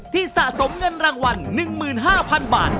สะสมเงินรางวัล๑๕๐๐๐บาท